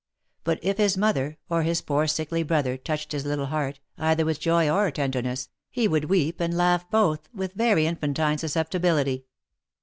But if his mother, or his poor sickly brother, touched his little heart, either with joy or tenderness, he would weep and laugh both, with very infantine susceptibility.